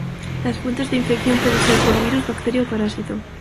Las fuentes de infección puede ser por virus, bacteria o parásito.